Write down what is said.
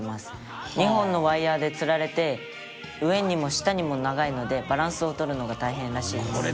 「２本のワイヤーで吊られて上にも下にも長いのでバランスを取るのが大変らしいです」